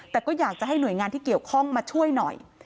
แต่ก็อยากจะให้หน่วยงานที่เกี่ยวข้องมาช่วยหน่อย